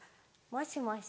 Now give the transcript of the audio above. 「もしもし」